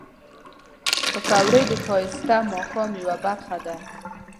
پکورې د ښایسته ماښام یو برخه ده